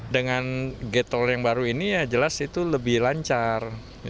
dengan gerbang tol yang baru ini jelas itu lebih lancar